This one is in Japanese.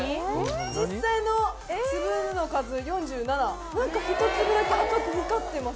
実際の粒の数４７何か一粒だけ赤く光ってます。